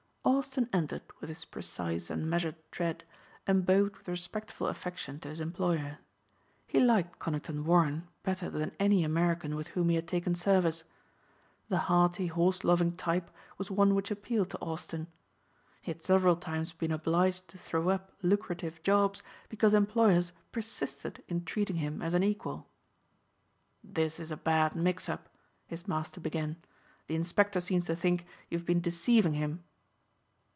Austin entered with his precise and measured tread and bowed with respectful affection to his employer. He liked Conington Warren better than any American with whom he had taken service. The hearty, horse loving type was one which appealed to Austin. He had several times been obliged to throw up lucrative jobs because employers persisted in treating him as an equal. "This is a bad mix up," his master began. "The inspector seems to think you have been deceiving him."